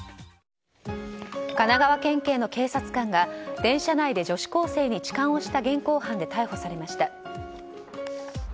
神奈川県警の警察官が電車内で女子高生に痴漢をした現行犯で逮捕されました。